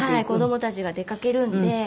子供たちが出かけるんで。